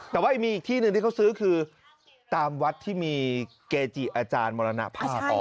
แต่ว่ามีอีกที่หนึ่งที่เขาซื้อคือตามวัดที่มีเกจิอาจารย์มรณภาพ